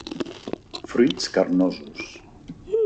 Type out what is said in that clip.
Fruits carnosos.